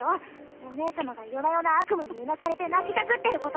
お姉様が夜な夜な悪夢にうなされて泣きじゃくってること。